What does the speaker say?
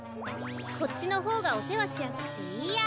こっちのほうがおせわしやすくていいや。